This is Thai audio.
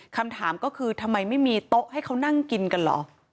คำถามก็คือทำไมไม่มีโต๊ะให้เขานั่งกินกันเหรอ